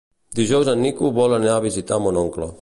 Dijous en Nico vol anar a visitar mon oncle.